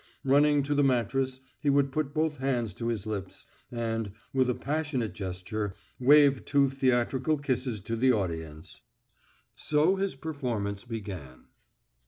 Running to the mattress he would put both hands to his lips, and, with a passionate gesture, wave two theatrical kisses to the audience. So his performance began.